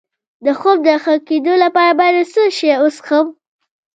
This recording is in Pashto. د خوب د ښه کیدو لپاره باید څه شی وڅښم؟